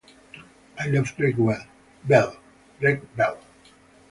I love Drake Bell.